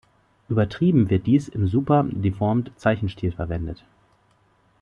Übertrieben wird dies im Super-Deformed-Zeichenstil verwendet.